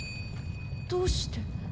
どうして？